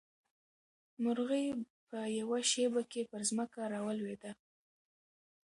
مرغۍ په یوه شېبه کې پر ځمکه راولوېده.